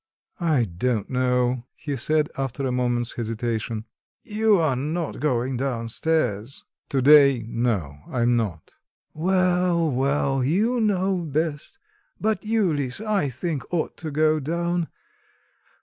I don't know," he said, after a moment's hesitation. "You are not going down stairs." "To day, no, I'm not." "Well, well, you know best; but you, Lisa, I think, ought to go down.